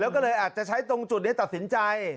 แล้วก็เลยอาจจะใช้ตรงจุดนี้ตัดสินใจ